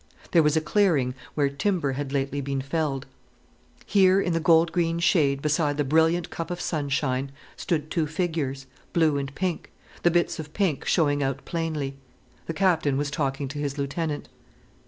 There was a clearing where timber had lately been felled. Here, in the gold green shade beside the brilliant cup of sunshine, stood two figures, blue and pink, the bits of pink showing out plainly. The Captain was talking to his lieutenant.